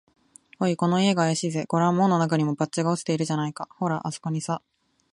「おい、この家があやしいぜ。ごらん、門のなかにも、バッジが落ちているじゃないか。ほら、あすこにさ」